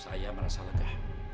saya merasa legah